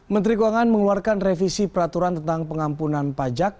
menteri keuangan mengeluarkan revisi peraturan tentang pengampunan pajak